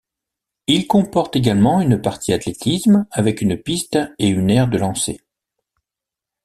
Il comporte également une partie athlétisme avec une piste et une aire de lancer.